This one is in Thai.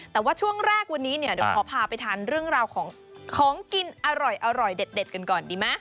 แต่ว่าช่วงแรกวันนี้เนี่ยเดี๋ยวขอพาไปทานเรื่องราวของกินอร่อยเด็ดกันก่อนดีไหม